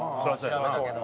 調べたけど。